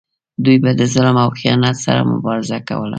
دوی به د ظلم او خیانت سره مبارزه کوله.